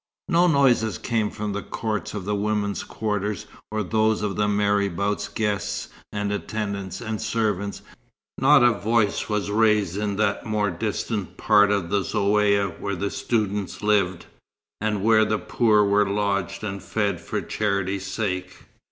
No noises came from the courts of the women's quarters, or those of the marabout's guests, and attendants, and servants; not a voice was raised in that more distant part of the Zaouïa where the students lived, and where the poor were lodged and fed for charity's sake.